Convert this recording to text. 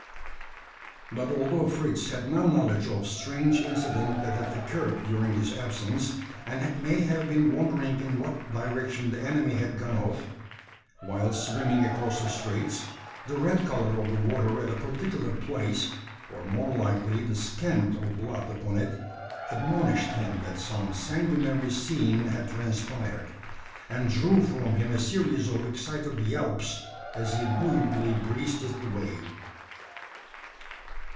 But although Fritz had no knowledge of strange incident that had occurred during his absence and may have been wondering in what direction the enemy had gone off while swimming across the straits, the red colour of the water at a particular place, or more likely the scent of blood upon it, admonished him that some sanguinary scene had transpired; and drew from him a series of excited yelps as he buoyantly breasted the wave.